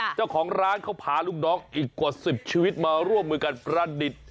เจ้าของร้านเขาพาลูกน้องอีกกว่า๑๐ชีวิตมาร่วมมือกันประดิษฐ์